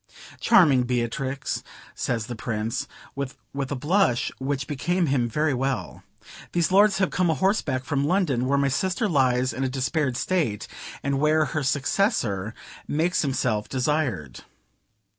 "Charming Beatrix," says the Prince, with a blush which became him very well, "these lords have come a horseback from London, where my sister lies in a despaired state, and where her successor makes himself desired.